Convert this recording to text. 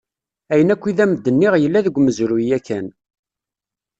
Ayen akk i d-am-nniɣ yella deg umezruy yakkan.